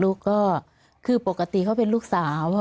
ลูกก็เป็นลูกสาว